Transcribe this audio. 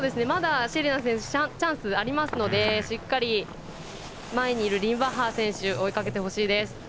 まだシェリナ選手チャンスあるのでしっかり、前にいるリムバッハー選手を追いかけてほしいです。